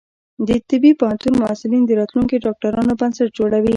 د طبی پوهنتون محصلین د راتلونکي ډاکټرانو بنسټ جوړوي.